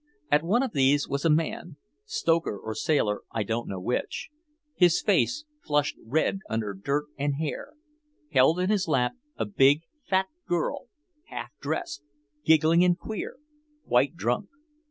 And at one of these a man, stoker or sailor I don't know which, his face flushed red under dirt and hair, held in his lap a big fat girl half dressed, giggling and queer, quite drunk.